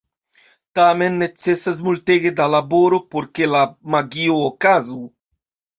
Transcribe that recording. Tamen, necesas multege da laboro por ke la magio okazu.